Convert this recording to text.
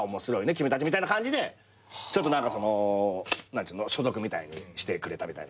君たちみたいな感じでちょっと所属みたいにしてくれたみたいな。